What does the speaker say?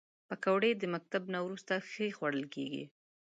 پکورې د مکتب نه وروسته ښه خوړل کېږي